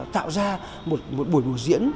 tạo ra một buổi buổi diễn